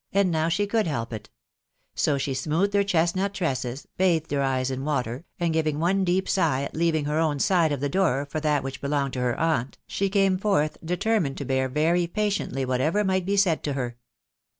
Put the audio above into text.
. and now she could help it ; so she smoothed her chesnut tresses, bathed her eyes in water, and giving one deep sigh at leaving her own side of the door for that which belonged to her aunt, she came forth determined to bear very patiently whatever might be said to her.